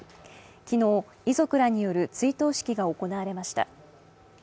昨日、遺族らによる追悼式が行われました。